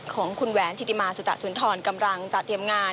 ของคุณแหวนยมาสนธวร์จะเป็นกำลัง